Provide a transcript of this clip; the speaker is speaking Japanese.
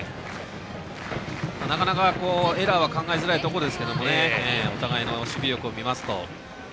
なかなかエラーは考えづらいところですがお互いの守備力を見ますと。